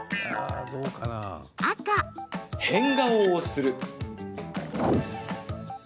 変顔をする。